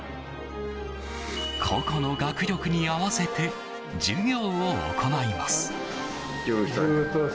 個々の学力に合わせて授業を行います。